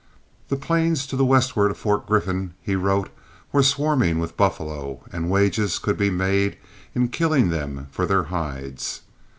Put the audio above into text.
The plains to the westward of Fort Griffin, he wrote, were swarming with buffalo, and wages could be made in killing them for their hides.